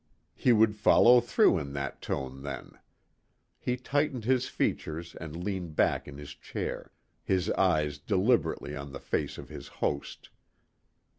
He would fellow through in that tone, then. He tightened his features and leaned back in his chair, his eyes deliberately on the face of his host.